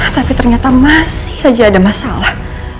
tapi ternyata masih saja ada masalah